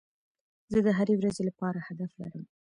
زه د هري ورځي لپاره هدف لرم.